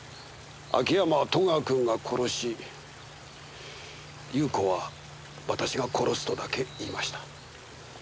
秋山は戸川君が殺し裕子は私が殺すとだけ言いました。